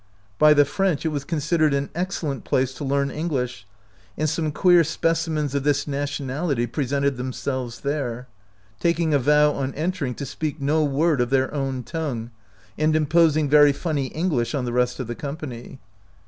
By the French it was considered an excellent place to learn English, and some queer specimens of this nationality presented themselves there, taking a vow on entering to speak no word of their own tongue, and imposing very funny English on the rest of the company.